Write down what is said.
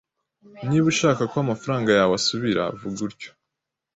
Niba ushaka ko amafaranga yawe asubira, vuga utyo.